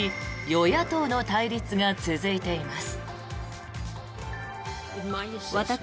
与野党の対立が続いています。